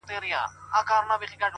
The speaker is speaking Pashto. ښه خواږه لکه ګلان داسي ښایسته وه-